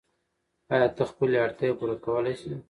آیا ته خپلې اړتیاوې پوره کولای سې؟